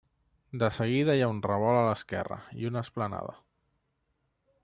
De seguida hi ha un revolt a l'esquerra i una esplanada.